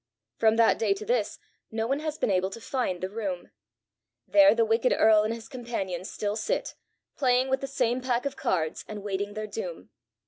"From that day to this no one has been able to find the room. There the wicked earl and his companions still sit, playing with the same pack of cards, and waiting their doom.